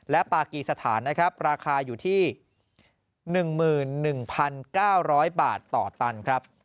และปากีสถานราคาอยู่ที่๑๑๙๐๐บาทต่อตัน